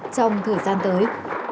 trong thời gian tới